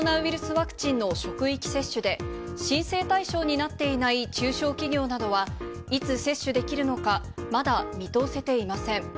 ワクチンの職域接種で、申請対象になっていない中小企業などは、いつ接種できるのか、まだ見通せていません。